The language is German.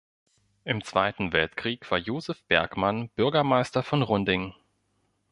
Im Zweiten Weltkrieg war Josef Bergmann Bürgermeister von Runding.